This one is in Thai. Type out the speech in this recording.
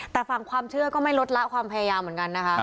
แต่ฝั่งความเชื่อก็ไม่ลดละความพยายามเหมือนกันนะคะ